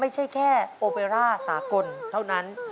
ไม่ใช่แค่โอเบร่าสากลเท่านั้น